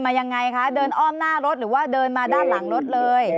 ยังไงคะเดินอ้อมหน้ารถหรือว่าเดินมาด้านหลังรถเลย